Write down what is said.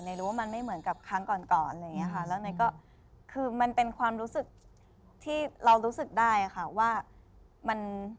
เนยรู้ว่ามันไม่เหมือนกับครั้งก่อนแล้วเนยก็คือมันเป็นความรู้สึกที่เรารู้สึกได้ค่ะว่า